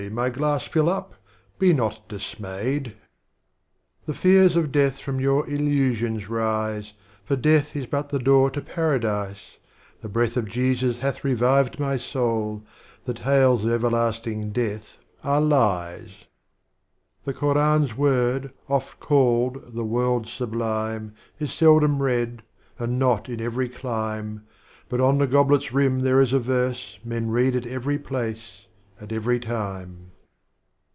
my glass fill up; be not dismayed. XXX. The fears of Death from your Illusions rise, For Death is but the Door to Paradise, The Breatli of Jesus hath revived my Soul, The Tales of Everlasting Death, are Lies.'= strophes of Omar Khayyam. 13 The Koran's Word, oft called the 'world sublime,' Is seldom read, and not in every Clime, But on the Goblet's Rim there is a Verse, Men read at every place, at every time."